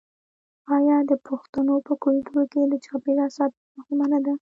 آیا د پښتنو په کلتور کې د چاپیریال ساتنه مهمه نه ده؟